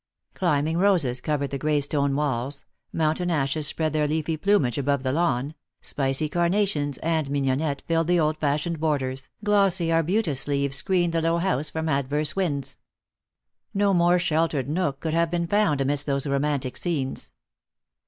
Climbing roses covered the gray stone walls, mountain ashes spread their leafy plumage above the lawn, spicy carnations and mignonette filled the old fashioned borders, glossy arbutus leaves screened the low house from adverse winds. No more sheltered nook could have been found amidst those romantic scenes.